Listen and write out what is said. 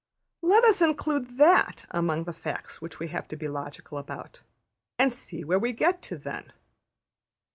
Let us include that among the facts we have to be logical about, and see where we get to then.